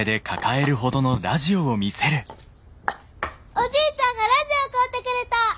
おじいちゃんがラジオ買うてくれた！